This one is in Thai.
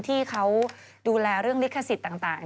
ที่เขาดูแลเรื่องลิขสิทธิ์ต่าง